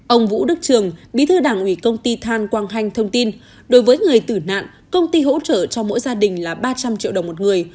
ông vũ đức trường bí thư đảng ủy công ty than quang hanh thông tin đối với người tử nạn công ty hỗ trợ cho mỗi gia đình là ba trăm linh triệu đồng một người